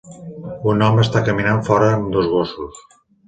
Un home està caminant fora amb dos gossos